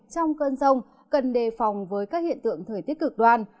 trong cơn rông cần đề phòng với các hiện tượng thời tiết cực đoan